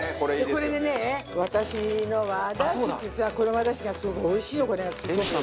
これでねわたしの和だしっていうさこの和だしがすごいおいしいのこれがすごく。